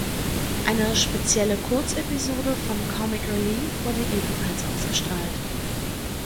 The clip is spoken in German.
Eine spezielle Kurzepisode von Comic Relief wurde ebenfalls ausgestrahlt.